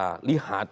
kalau kita lihat